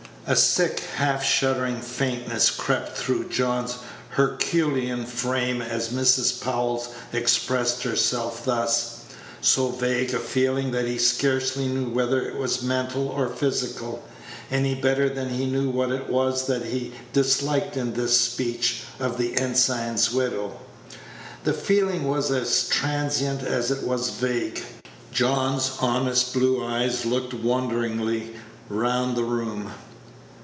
A sick, half shuddering faintness crept through John's herculean frame as Mrs. Powell expressed herself thus; so vague a feeling that he scarcely knew whether it was mental or physical, any better than he knew what it was that he disliked in this speech of the ensign's widow. The feeling was as transient as it was vague. John's honest blue eyes looked wonderingly round the room.